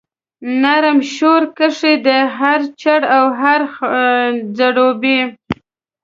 نرم شور کښي دی هر چړ او هر ځړوبی